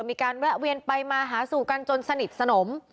มีการแวะเวียนไปมาหาสู่กันจนสนิทสนม